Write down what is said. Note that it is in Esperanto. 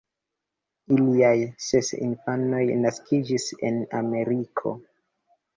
Iliaj ses infanoj naskiĝis en Ameriko.